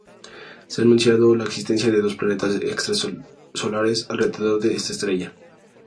Se ha anunciado la existencia de dos planetas extrasolares alrededor de esta estrella.